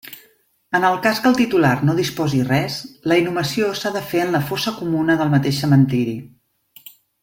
En el cas que el titular no dispose res, la inhumació s'ha de fer en la fossa comuna del mateix cementeri.